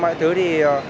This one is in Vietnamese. mọi thứ thì